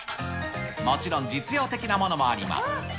もちろん、実用的なものもあります。